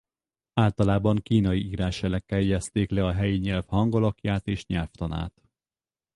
Általában kínai írásjelekkel jegyezték le a helyi nyelv hangalakját és nyelvtanát.